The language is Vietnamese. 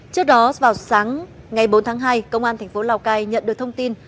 trước đó vào sáng ngày bốn tháng hai công an thành phố lào cai nhận được thông tin